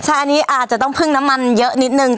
ใช่อันนี้อาจจะต้องพึ่งน้ำมันเยอะนิดนึง